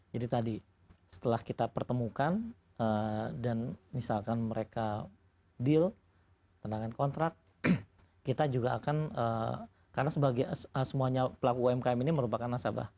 jadi tadi setelah kita pertemukan dan misalkan mereka deal tendangkan kontrak kita juga akan karena semuanya pelaku umkm ini merupakan nasabah